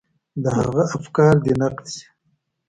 د هغه افکار دې نقد شي.